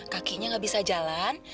kakinya gak bisa jalan